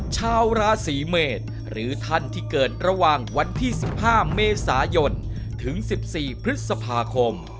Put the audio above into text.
ชาวราศีเมษหรือท่านที่เกิดระหว่างวันที่๑๕เมษายนถึง๑๔พฤษภาคม